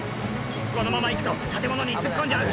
「このまま行くと建物に突っ込んじゃう」